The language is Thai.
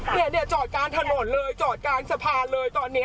เนี่ยจอดกลางถนนเลยจอดกลางสะพานเลยตอนนี้